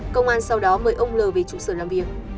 công an sau đó mời ông l về trụ sở làm việc